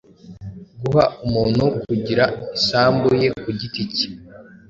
guha umuntu kugira isambu ye ku giti cye